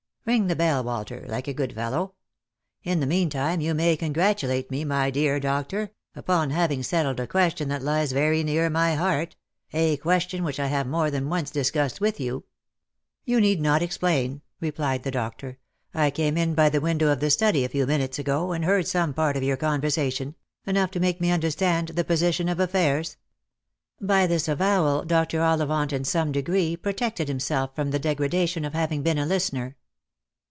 Eing the bell, Walter, like a good fellow. In the meantime, you may congratulate me, my dear doctor, upon having settled a question that lies very near my heart — a question which I have more than once dis cussed with you." " You need not explain," replied the doctor. " I came in by the window of the study a few minutes ago, and heard some 150 Lost for Jjove. part of your conversation — enough to make me understand th« position of affairs," By this avowal Dr. Ollivant in some degree protected himsell from the degradation of having been a listener.